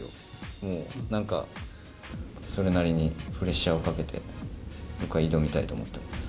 もう、なんか、それなりにプレッシャーをかけて、僕は挑みたいと思ってます。